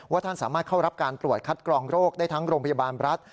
ท่านสามารถเข้ารับการตรวจคัดกรองโรคได้ทั้งโรงพยาบาลรัฐ